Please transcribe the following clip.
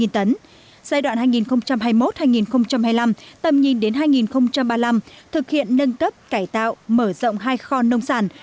giai đoạn hai nghìn hai mươi một hai nghìn hai mươi năm tầm nhìn đến hai nghìn ba mươi năm thực hiện nâng cấp cải tạo mở rộng hai kho nông sản